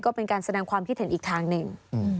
ก็เป็นการแสดงความคิดเห็นอีกทางหนึ่ง